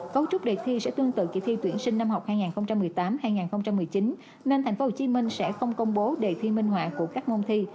cấu trúc đề thi sẽ tương tự kỳ thi tuyển sinh năm học hai nghìn một mươi tám hai nghìn một mươi chín nên tp hcm sẽ không công bố đề thi minh họa của các môn thi